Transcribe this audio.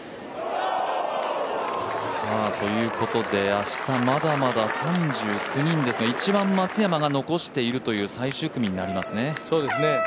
明日まだまだ３９人ですが、一番松山が残しているという最終組になりますね。